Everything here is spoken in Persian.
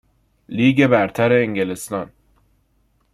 لیگ برتر انگلستان